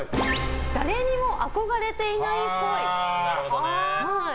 誰にも憧れていないっぽい。